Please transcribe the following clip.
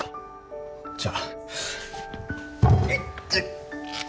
じゃあ。